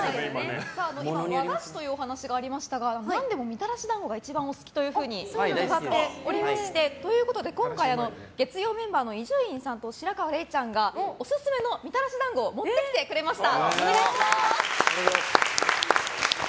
今、和菓子というお話がありましたがみたらし団子が一番お好きと伺っておりまして今回、月曜メンバーの伊集院さんと白河れいちゃんがオススメのみたらし団子を持ってきてくれました。